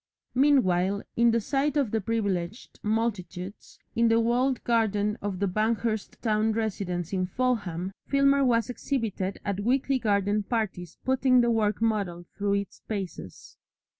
Meanwhile, in the sight of privileged multitudes in the walled garden of the Banghurst town residence in Fulham, Filmer was exhibited at weekly garden parties putting the working model through its paces.